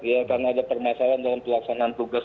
karena ada permasalahan dalam pelaksanaan tugas